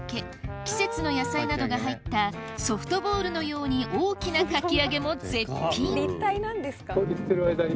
季節の野菜などが入ったソフトボールのように大きなかき揚げも絶品あっ